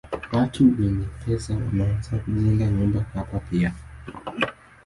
Watu wenye pesa wameanza kujenga nyumba hapa pia.